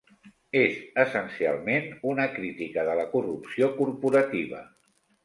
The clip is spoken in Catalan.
És, essencialment, una crítica de la corrupció corporativa.